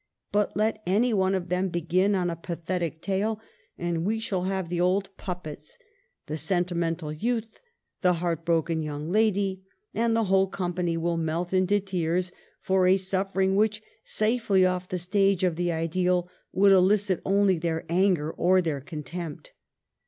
But let any one of them begin on a pathetic tale, and we shall have the old puppets, the sentimental youth, the heartbroken young lady; and the whole company will melt into tears for a suffering which, safely off the stage of the ideal, would elicit only their anger or their contempt.